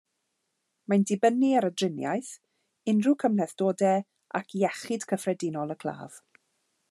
Mae'n dibynnu ar y driniaeth, unrhyw gymhlethdodau ac iechyd cyffredinol y claf.